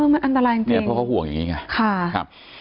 อ้อมันอันตรายจริงค่ะค่ะนี่เพราะเขาห่วงอย่างนี้